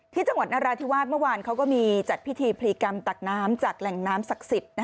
ที่จังหวัดนราธิวาสเมื่อวานเขาก็มีจัดพิธีพลีกรรมตักน้ำจากแหล่งน้ำศักดิ์สิทธิ์